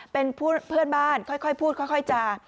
เป็นเพื่อนบ้านค่อยพูดค่อยจา